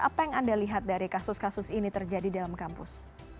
apa yang anda lihat dari kasus kasus ini terjadi dalam kampus